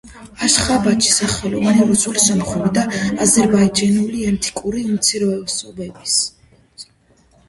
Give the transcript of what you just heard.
აშხაბადში სახლობენ რუსული, სომხური და აზერბაიჯანული ეთნიკური უმცირესობები.